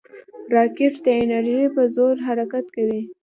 راکټ د انرژۍ په زور حرکت کوي